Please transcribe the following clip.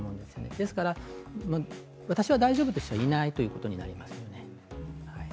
ですから、私は大丈夫という人はいないということになりますよね。